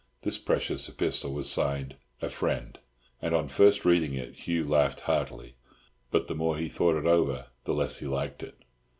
This precious epistle was signed "A Friend," and on first reading it Hugh laughed heartily; but the more he thought it over the less he liked it.